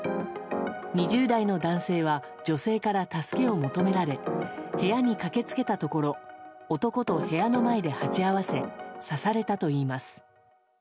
２０代の男性は女性から助けを求められ部屋に駆け付けたところ男と部屋の前で鉢合わせ刺されたといいます。